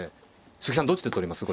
鈴木さんどっちで取ります？